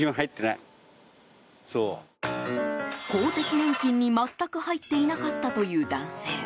公的年金に、全く入っていなかったという男性。